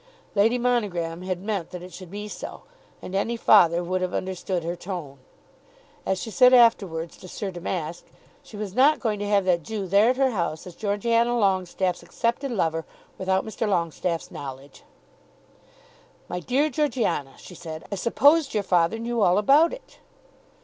Lady Monogram had meant that it should be so, and any father would have understood her tone. As she said afterwards to Sir Damask, she was not going to have that Jew there at her house as Georgiana Longestaffe's accepted lover without Mr. Longestaffe's knowledge. "My dear Georgiana," she said, "I supposed your father knew all about it."